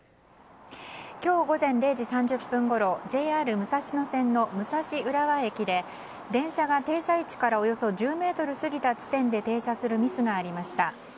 今日午前０時３０分ごろＪＲ武蔵野線の武蔵浦和駅で電車が停車位置からおよそ１０ｍ過ぎた地点で停車するミスがありました。